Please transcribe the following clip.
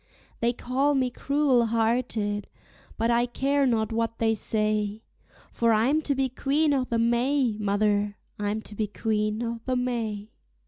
They call me cruel hearted, but I care not what they say, For I'm to be Queen o' the May, mother, I'm to be Queen o' the May.